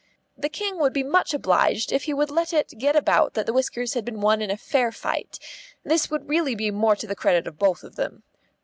The King would be much obliged if he would let it get about that the whiskers had been won in a fair fight; this would really be more to the credit of both of them.